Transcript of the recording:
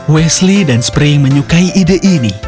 wesley dan spring menyukai ide ini